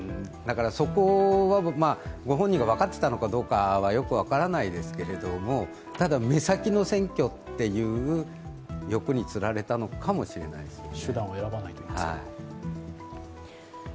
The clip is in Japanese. そこはご本人が分かっていたのかどうかはよく分からないですけれども、ただ、目先の選挙という欲に釣られたのかもしれないですよね。